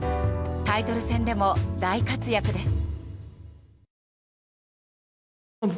タイトル戦でも大活躍です。